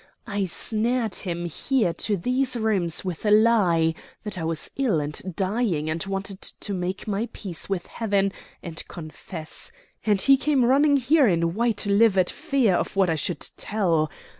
I snared him here to these rooms with a lie that I was ill and dying and wanted to make my peace with Heaven and confess; and he came running here in white livered fear of what I should tell.